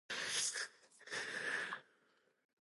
这是一首简单的小情歌，唱出人们心头的曲折